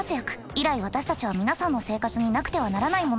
以来私たちは皆さんの生活になくてはならないものでした。